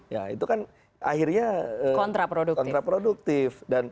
ya itu kan akhirnya kontraproduktif